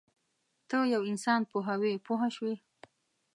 ته یو انسان پوهوې پوه شوې!.